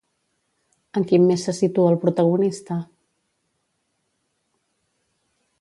En quin mes se situa al protagonista?